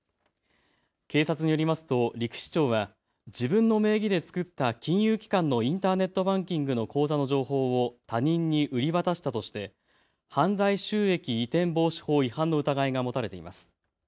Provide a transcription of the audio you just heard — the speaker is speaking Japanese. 警察によりますと陸士長は自分の名義で作った金融機関のインターネットバンキングの口座の情報を他人に売り渡したとして犯罪収益移転防止法違反の疑いが持たれています。